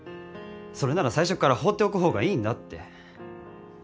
それなら最初っから放っておく方がいいんだって。